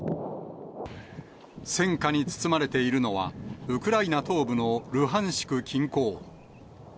戦火に包まれているのは、ウクライナ東部のルハンシク近郊。